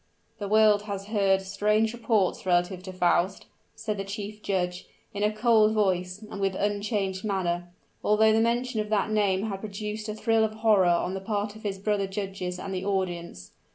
"The world has heard strange reports relative to Faust," said the chief judge, in a cold voice and with unchanged manner, although the mention of that name had produced a thrill of horror on the part of his brother judges and the audience.